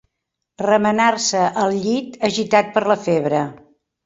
Remenar-se al llit, agitat per la febre.